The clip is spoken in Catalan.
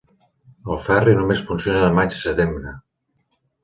El ferri només funciona de maig a setembre.